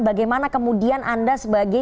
bagaimana kemudian anda sebagai